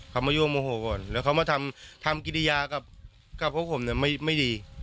เขามายุ่งโมโหก่อนแล้วเขามาทำกิริยากับพวกผมเนี่ยไม่ดี